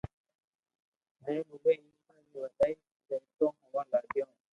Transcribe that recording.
ھين او وي ايشور ري وڏائي رتو يوا لاگيو